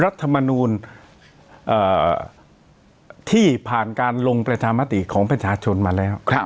รัฐมนูลที่ผ่านการลงประชามติของประชาชนมาแล้ว